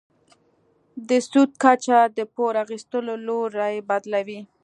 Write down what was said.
د سود کچه د پور اخیستلو لوری بدلوي.